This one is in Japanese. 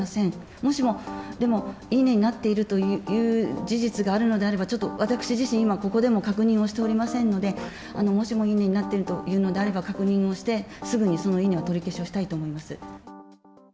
もしも、でも、いいねになっているという事実があるのであれば、ちょっと私自身、今ここでも確認をしておりませんので、もしもいいねになっているというのであれば、確認をして、すぐにそのいいねを取り消しをしたいと思います。